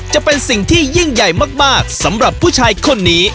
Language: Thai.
จะเป็นสิ่งที่ยิ่งใหญ่มากสำหรับผู้ชายคนนี้